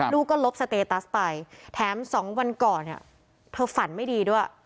ลูกก็ลบสเตตัสไปแถม๒วันก่อนเนี่ยเธอฝันไม่ดีด้วย